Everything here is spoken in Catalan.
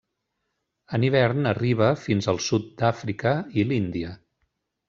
En hivern arriba fins al sud d'Àfrica, i l'Índia.